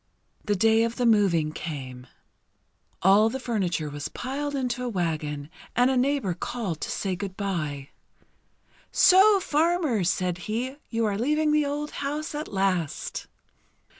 The day of the moving came. All the furniture was piled into a wagon, and a neighbour called to say good bye. "So, farmer," said he, "you are leaving the old house at last!"